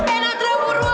eh nadra buruan